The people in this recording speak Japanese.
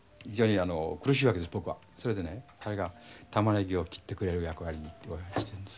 それでね彼がたまねぎを切ってくれる役割にってことにしてるんですが。